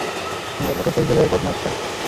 আর মোটরসাইকেলের বদমাইশটা।